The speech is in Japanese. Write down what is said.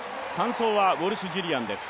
３走はウォルシュ・ジュリアンです。